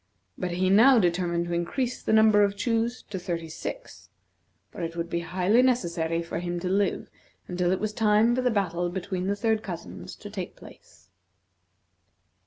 But he now determined to increase the number of chews to thirty six, for it would be highly necessary for him to live until it was time for the battle between the third cousins to take place.